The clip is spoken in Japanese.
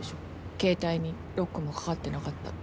ケータイにロックもかかってなかった。